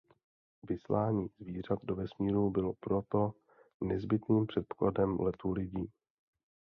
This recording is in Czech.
Vyslání zvířat do vesmíru bylo proto nezbytným předpokladem letů lidí.